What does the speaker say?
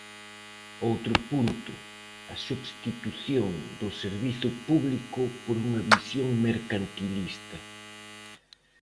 Outro punto, a substitución do servizo público por unha visión mercantilista.